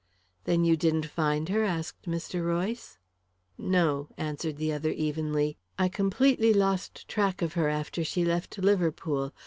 "Then you didn't find her?" asked Mr. Royce. "No," answered the other evenly. "I completely lost track of her after she left Liverpool.